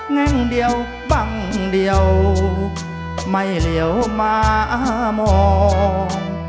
แง่งเดียวบังเดียวไม่เหลวมาอ้ามอง